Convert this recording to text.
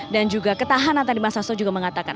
dan juga ketahanan tadi mas sasso juga mengatakan